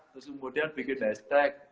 terus kemudian bikin hashtag